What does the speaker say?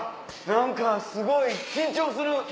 何かすごい緊張する！